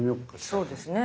そうですね。